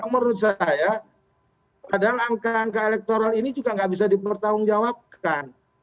menurut saya padahal angka angka elektoral ini juga nggak bisa dipertanggungjawabkan